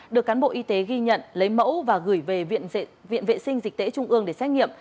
được cán bộ y tế ghi nhận lấy mẫu và gửi về viện vệ sinh dịch tễ trung ương để xét nghiệm